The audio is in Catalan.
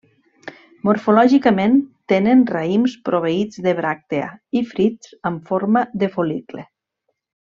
Morfològicament tenen raïms proveïts de bràctea i frits amb forma de fol·licle.